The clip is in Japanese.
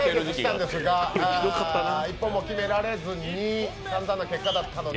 １本も決められずに、さんざんな結果だったので。